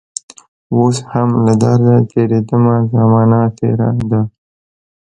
اوس هم له درده تیریدمه زمانه تیره ده